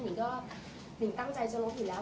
หนึ่งก็หนึ่งตั้งใจจะลบอยู่แล้ว